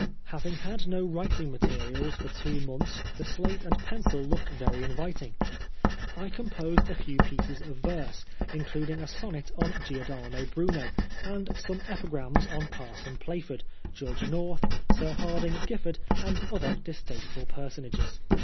Having had no writing materials for two months the slate and pencil looked very inviting. I composed a few pieces of verse, including a sonnet on Giordano Bruno aQd some epigrams on Parson Plaford, Judge North, Sir Hardinge Giffard, and other distasteful personages.